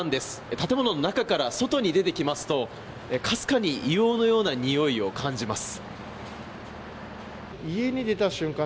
建物の中から外に出てきますとかすかに硫黄のようなにおいを感じます。